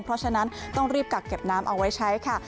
เพราะฉะนั้นต้องรีบกักเก็บน้ำเอาไว้ใช้ค่ะ